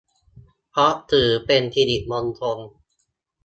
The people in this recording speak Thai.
เพราะถือเป็นสิริมงคล